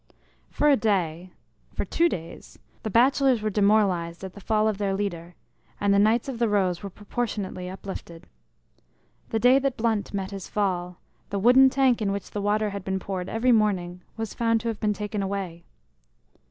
For a day for two days the bachelors were demoralized at the fall of their leader, and the Knights of the Rose were proportionately uplifted. The day that Blunt met his fall, the wooden tank in which the water had been poured every morning was found to have been taken away.